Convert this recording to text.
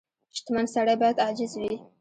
• شتمن سړی باید عاجز وي.